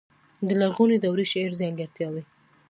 د لرغونې دورې شعري ځانګړتياوې.